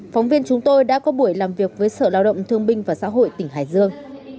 phóng viên chúng tôi đã có buổi làm việc với sở lao động thương binh và xã hội tỉnh hải dương